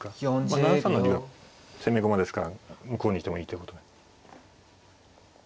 まあ７三の竜は攻め駒ですから向こうにいてもいいということで。